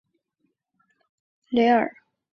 瓦尔卡布雷尔。